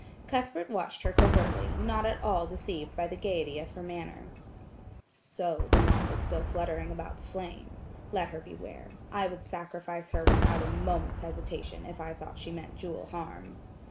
Cuthbert watched her covertly, not at all deceived by the gaiety of her manner. "So, the moth is still fluttering about the flame. Let her beware; I would sacrifice her without a moment's hesitation if I thought she meant Jewel harm."